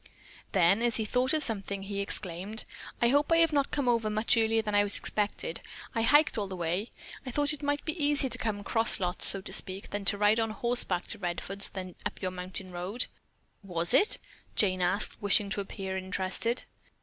Then, as he thought of something, he exclaimed: "I hope I have not come over much earlier than I was expected. I hiked all the way. I thought it might be easier to come cross lots, so to speak, than to ride horseback to Redfords and then up your mountain road." "Was it?" Jane asked, wishing to appear interested.